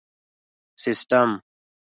سیسټم